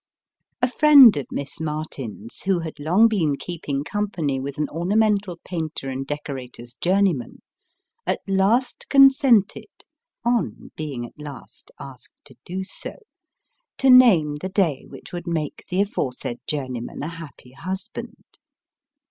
A friend of Miss Martin's who had long been keeping company with an ornamental painter and decorator's journeyman, at last consented (on being at last asked to do so) to name the day which would make the aforesaid journeyman a happy husband.